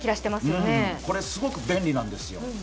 これ、すごく便利なんです